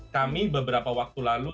kami beberapa waktu lalu